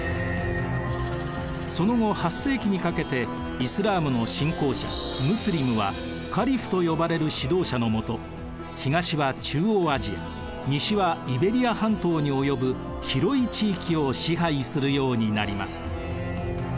その後８世紀にかけてイスラームの信仰者ムスリムはカリフと呼ばれる指導者の下東は中央アジア西はイベリア半島に及ぶ広い地域を支配するようになります。